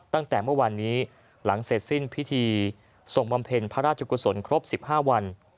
ตั้งแต่เมื่อวานนี้หลังเสร็จสิ้นพิธีส่งบำเพ็ญพระราชกุศลครบ๑๕วัน